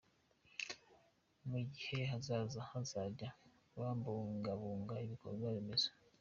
Mu gihe kizaza, bazajya babungabunga ibikorwa-remezo.